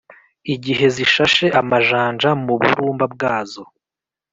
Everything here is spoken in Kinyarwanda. igihe zishashe amajanja mu burumba bwazo